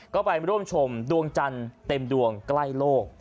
ก็ไปร่วมชมดวงจันทร์เต็มดวงใกล้โลก